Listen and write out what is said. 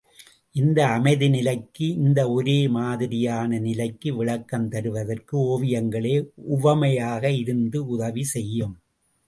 இந்த அமைதி நிலைக்கு இந்த ஒரே மாதிரியான நிலைக்கு விளக்கம் தருவதற்கு ஒவியங்களே உவமையாக இருந்து உதவி செய்யும்.